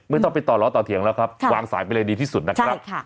ไม่ต้องไปต่อล้อต่อเถียงแล้วครับวางสายไปเลยดีที่สุดนะครับ